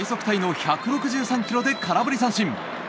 タイの１６３キロで空振り三振。